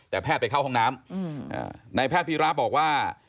แต่แพทย์ไปเข้าห้องน้ำนายแพทย์พีระบอกว่า